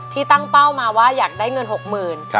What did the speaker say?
ที่ตั้งเป้ามาว่าอยากได้เงินหกหมื่น